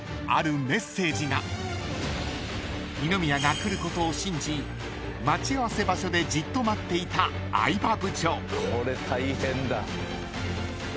［二宮が来ることを信じ待ち合わせ場所でじっと待っていた相葉部長］